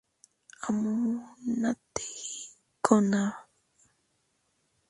Amunátegui con Av.